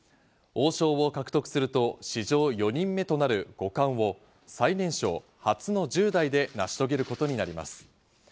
王将を獲得すると史上４人目となる五冠を最年少・初の１０代で成し遂げることになります。